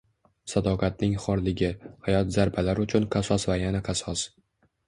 sadoqatning xorligi, hayot zarbalari uchun qasos va yana qasos…